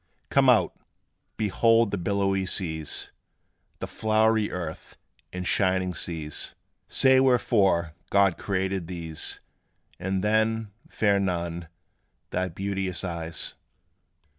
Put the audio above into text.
Come out! behold the billowy seas, The flowery earth, and shining skies: Say wherefore God created these; And then, fair Nun, thy beauteous eyes.